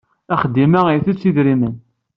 Axeddim-a ittett idrimen.